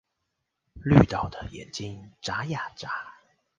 綠島的眼睛眨呀眨